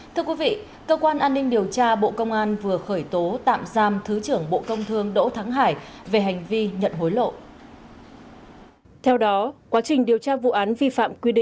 thưa quý vị cơ quan an ninh điều tra bộ công an vừa khởi tố tạm giam thứ trưởng bộ công thương đỗ thắng hải về hành vi nhận hối lộ